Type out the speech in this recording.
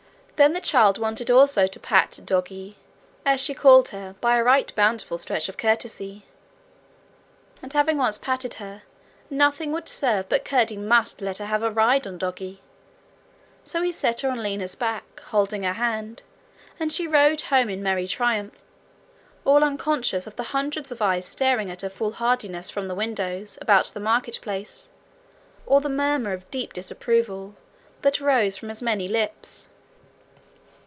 Then the child wanted also to pat doggy, as she called her by a right bountiful stretch of courtesy, and having once patted her, nothing would serve but Curdie must let her have a ride on doggy. So he set her on Lina's back, holding her hand, and she rode home in merry triumph, all unconscious of the hundreds of eyes staring at her foolhardiness from the windows about the market place, or the murmur of deep disapproval that rose from as many lips.